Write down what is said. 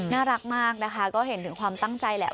น่ารักมากนะคะก็เห็นถึงความตั้งใจแหละ